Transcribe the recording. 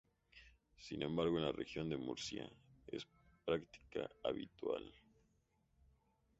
Sin embargo en la Región de Murcia es práctica habitual.